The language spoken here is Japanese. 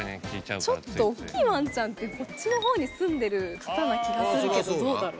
ちょっとおっきいワンちゃんってこっちの方に住んでる方な気がするけどどうだろう？